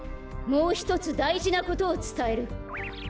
もうひとつだいじなことをつたえる。